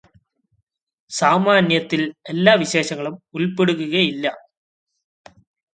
സാമാന്യത്തിൽ എല്ലാ വിശേഷങ്ങളും ഉൾപെടുകയില്ല.